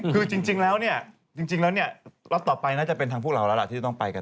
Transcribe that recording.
คือจริงแล้วเนี่ยรอบต่อไปน่าจะเป็นทางพวกเราแล้วล่ะที่ต้องไปกัน